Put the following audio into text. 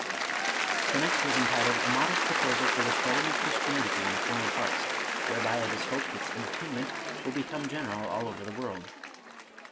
The next was entitled, "A modest proposal for the spreading of Christianity in foreign parts, whereby it is hoped its entertainment will become general all over the world."